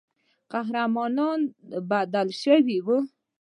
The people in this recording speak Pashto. قهرمان بدل سوی وو.